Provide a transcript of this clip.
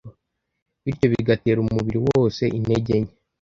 bityo bigatera umubiri wose intege nke